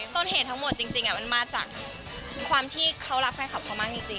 ต้นเหตุทั้งหมดจริงมันมาจากความที่เขารักแฟนคลับเขามากจริง